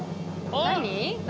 何？